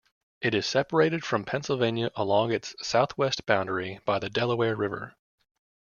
It is separated from Pennsylvania along its southwest boundary by the Delaware River.